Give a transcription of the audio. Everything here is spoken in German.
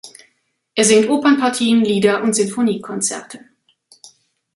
Er singt Opernpartien, Lieder und Sinfoniekonzerte.